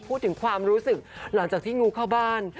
พูดถึงความรู้สึกหลังจากที่งูเข้าบ้าน